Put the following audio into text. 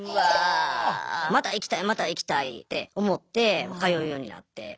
また行きたいまた行きたいって思って通うようになって。